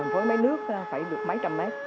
với máy nước phải được mấy trăm mét